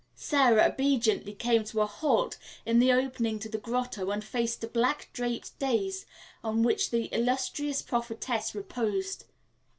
Sara obediently came to a halt in the opening to the grotto and faced a black draped dais on which the illustrious prophetess reposed.